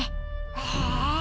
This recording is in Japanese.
へえ。